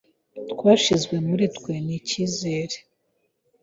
Twashizwe muri twe ni icyizere